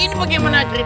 ini bagaimana cri